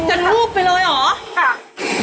จนมูกไปเลยหรอ